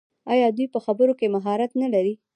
آیا دوی په خبرو کې مهارت نلري؟